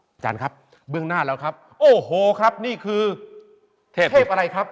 อาจารย์ครับเบื้องหน้าแล้วครับโอ้โหครับนี่คือเทพเทพอะไรครับ